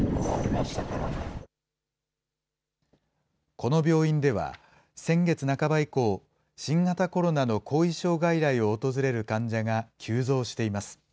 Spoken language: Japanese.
この病院では、先月半ば以降、新型コロナの後遺症外来を訪れる患者が急増しています。